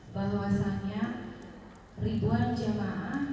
bahwasannya ribuan jamaah